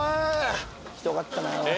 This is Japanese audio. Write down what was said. ひどかったなこれ。